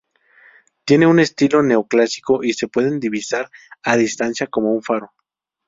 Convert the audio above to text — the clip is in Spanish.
Tiene un estilo neoclásico y se puede divisar a distancia, como un faro.